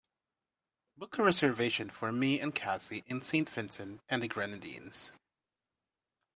Book a reservation for me and cassie in Saint Vincent and the Grenadines